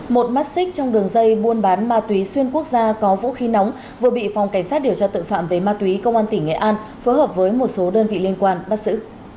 một mắt xích trong đường dây buôn bán ma túy xuyên quốc gia có vũ khí nóng vừa bị phòng cảnh sát điều tra tội phạm về ma túy công an tỉnh nghệ an phối hợp với một số đơn vị liên quan bắt xử